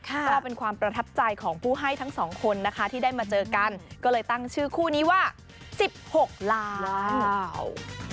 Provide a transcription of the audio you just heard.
ก็เป็นความประทับใจของผู้ให้ทั้งสองคนนะคะที่ได้มาเจอกันก็เลยตั้งชื่อคู่นี้ว่า๑๖ล้าน